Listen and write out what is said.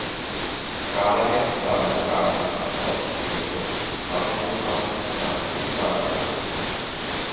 Kareivji saveda kārtībā savus ieročus, atpūtās, rakstīja vēstules.